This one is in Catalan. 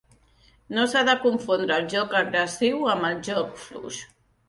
No s'ha de confondre el joc agressiu amb el joc fluix.